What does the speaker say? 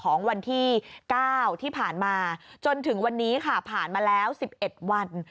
ของวันที่๙ที่ผ่านมาจนถึงวันนี้ค่ะผ่านมาแล้ว๑๑วัน